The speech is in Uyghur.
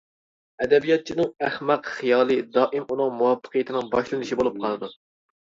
ئەدەبىياتچىنىڭ ئەخمەق خىيالى دائىم ئۇنىڭ مۇۋەپپەقىيىتىنىڭ باشلىنىشى بولۇپ قالىدۇ.